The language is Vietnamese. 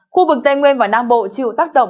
khu vực tây nguyên và nam bộ chịu tác động